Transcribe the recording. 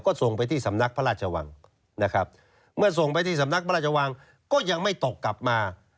ก็ส่งไปที่สำนักพระราชวังนะครับเมื่อส่งไปที่สำนักพระราชวังก็ยังไม่ตกกลับมา